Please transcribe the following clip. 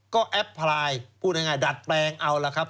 ก็แอปพลายพูดง่ายดัดแปลงเอาล่ะครับ